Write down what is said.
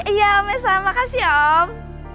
iya om mesa makasih ya om